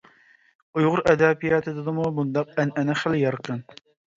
ئۇيغۇر ئەدەبىياتىدىمۇ بۇنداق ئەنئەنە خېلى يارقىن.